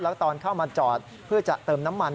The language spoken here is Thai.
แล้วตอนเข้ามาจอดเพื่อจะเติมน้ำมัน